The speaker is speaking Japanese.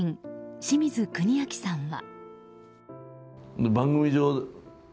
清水国明さんは。